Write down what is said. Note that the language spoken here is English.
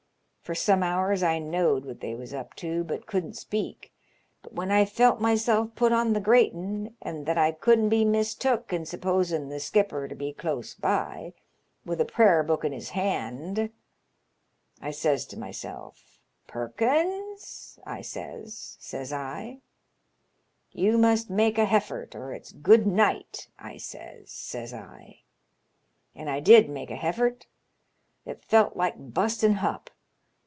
For some hours I know'd what they was up to, but couldn't speak. But when I felt myself put on the gratin' and that I couldn't be mistook in supposin' th' skipper to be close by, with a prayer book in his hand, I says to myself ' Perkins,' I says, says I, * you must make a heffort, or it's good night,^ I says, says I. An' I did make a heffort. It felt like bustin' hup.